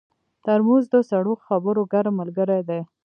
ترموز د سړو خبرو ګرم ملګری دی.